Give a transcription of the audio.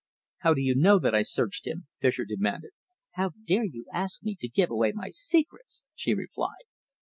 "How do you know that I searched him?" Fischer demanded. "How dare you ask me to give away my secrets?" she replied.